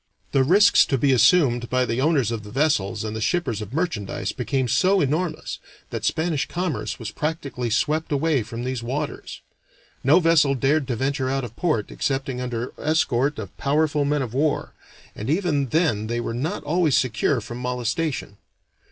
The risks to be assumed by the owners of vessels and the shippers of merchandise became so enormous that Spanish commerce was practically swept away from these waters. No vessel dared to venture out of port excepting under escort of powerful men of war, and even then they were not always secure from molestation.